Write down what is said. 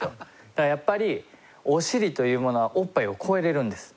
だからやっぱりおしりというものはおっぱいを超えられるんです。